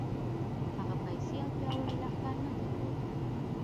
هغه پيسې او پياوړی لښکر نه درلود.